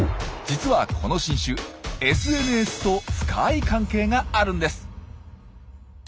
実はこの新種ＳＮＳと深い関係があるんです。